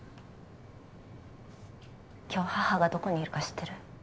今日母がどこにいるか知ってる？